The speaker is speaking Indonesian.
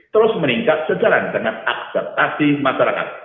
terus meningkat sejalan dengan akseptasi masyarakat